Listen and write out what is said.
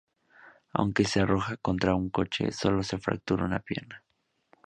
Aunque se arroja contra un coche, sólo se fractura una pierna.